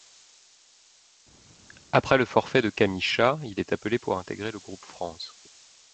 Après le forfait de Camille Chat, il est appelé pour intégrer le groupe France.